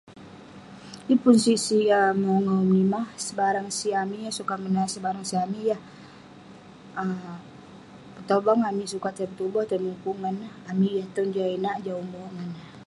yeng pun sik sik yah mongau menimah, sebarang sik amik yah sukat menat, sebarang amik yah petobang, amik yah sukat tai petuboh sukat mukuk ngan neh, amik yah tong jah inak, jah umerk ngan nah